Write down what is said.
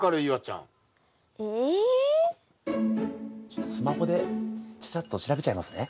ちょっとスマホでちゃちゃっと調べちゃいますね。